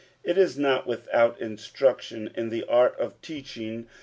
It is not without instruction in the art of teaching.